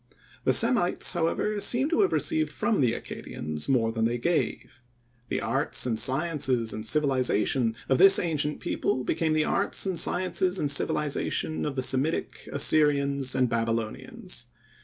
The Semites, however, seem to have received from the Accadians more than they gave. The arts and sciences and civilization of this ancient people became the arts and sciences and civilization of the Semitic Assyrians and Babylonians.